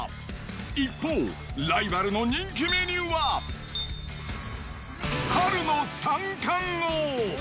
一方、ライバルの人気メニューは、春の三貫王。